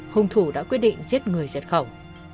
hùng thủ đã quyết định giết người giết khẩu